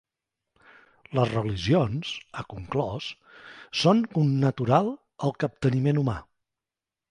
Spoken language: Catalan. Les religions —ha conclòs— són connatural al capteniment humà.